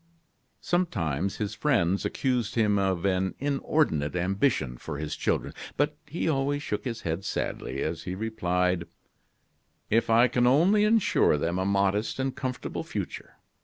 Sometimes his friends accused him of an inordinate ambition for his children; but he always shook his head sadly, as he replied: "If I can only insure them a modest and comfortable future!